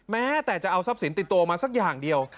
แม้แต่จะเอาทรัพย์สินติดตัวมาสักอย่างเดียว